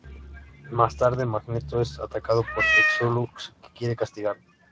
Más tarde, Magneto es atacado por Exodus, que quiere castigarlo.